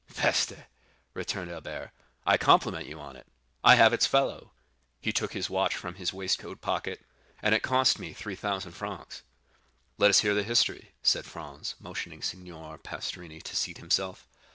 "Peste!" returned Albert, "I compliment you on it; I have its fellow"—he took his watch from his waistcoat pocket—"and it cost me 3,000 francs." "Let us hear the history," said Franz, motioning Signor Pastrini to seat himself.